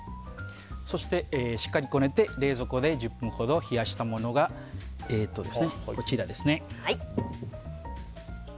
しっかりこねて冷蔵庫で１０分ほど冷やしたものがこちらですね。